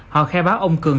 họ khai báo ông cường